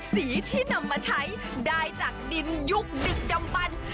สีที่นำมาใช้ได้จากดินยุคดึกกำบัน